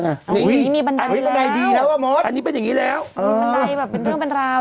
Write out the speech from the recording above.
อุ๊ยอันนี้มีบันไดแล้วอันนี้เป็นอย่างนี้แล้วมีบันไดแบบเป็นเรื่องบันราว